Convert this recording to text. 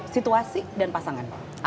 situasi dan pasangan